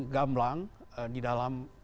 gamblang di dalam